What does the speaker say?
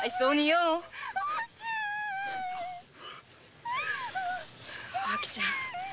おあきちゃん